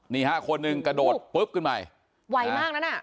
นี่ครับคนหนึ่งกระโดดปึ๊บขึ้นมา